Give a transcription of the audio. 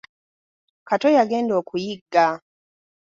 Kato yagenda okuyigga.